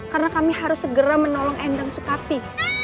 karena kami harus segera menolong endang sukapi